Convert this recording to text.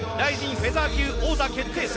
フェザー級王座決定戦。